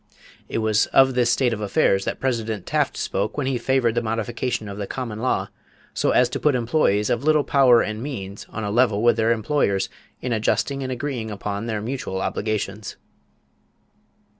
It was of this state of affairs that President Taft spoke when he favored the modification of the common law "so as to put employees of little power and means on a level with their employers in adjusting and agreeing upon their mutual obligations."